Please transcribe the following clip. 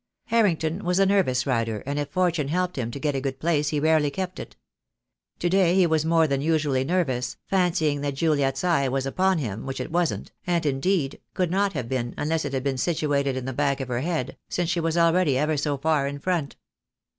Harrington was a nervous rider, and if fortune helped him to get a good place he rarely kept it. To day he was more than usually nervous, fancying that Juliet's eye was upon him, which it wasn't, and, indeed, could not have been, unless it had been situated in the back of her head, since she was already ever so far in front.